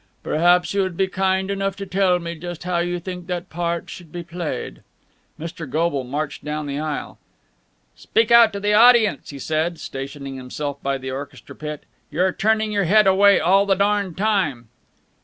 "Perhaps you would be kind enough to tell me just how you think that part should be played?" Mr. Goble marched down the aisle. "Speak out to the audience," he said, stationing himself by the orchestra pit. "You're turning your head away all the darned time."